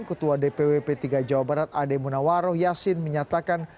ketua dpwp tiga jawa barat ade munawaroh yasin menyatakan